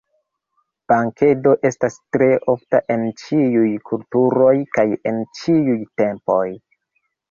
Bankedo estas tre ofta en ĉiuj kulturoj kaj en ĉiuj tempoj.